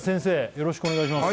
よろしくお願いします